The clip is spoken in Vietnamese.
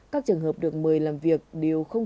các trường hợp được mời làm việc đều không